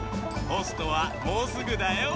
ポストはもうすぐだよ。